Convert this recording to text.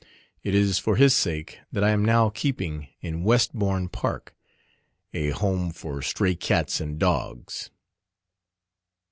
It is for his sake that I am now keeping in Westbourne Park a home for stray cats and dogs.